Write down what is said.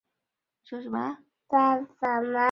饰石杜鹃为杜鹃花科杜鹃属下的一个种。